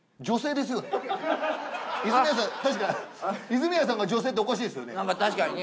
泉谷さんが女性っておかしいですよね？